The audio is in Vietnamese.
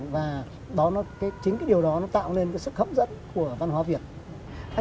và chính cái điều đó nó tạo nên cái sức hấp dẫn của văn hóa việt